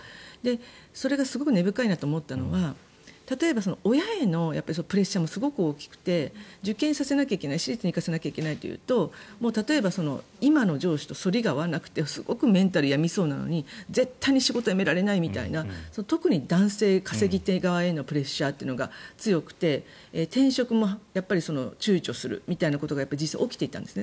それがすごく根深いなと思ったのは例えば、親へのプレッシャーもすごく大きくて受験させなきゃいけない私立に行かせなきゃいけないとなると例えば今の上司とそりが合わなくてすごくメンタル病みそうなのに絶対に仕事辞められないとか特に男性、稼ぎ手側へのプレッシャーというのが強くて転職も躊躇するみたいなことが実際に起きていたんですね。